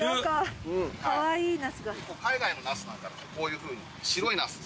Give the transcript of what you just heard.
海外のナスなんかだとこういうふうに白いナス。